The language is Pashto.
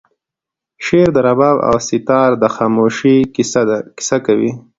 شعر د رباب او سیتار د خاموشۍ کیسه کوي